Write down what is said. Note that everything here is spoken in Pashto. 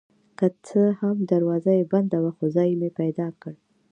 که څه هم دروازه یې بنده وه خو ځای مې پیدا کړ.